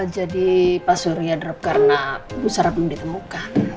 jadi pak surya drop karena busara belum ditemukan